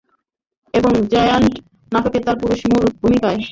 এবং "জায়ান্ট" নাটকে তার পুরুষ মূল ভূমিকাইয়।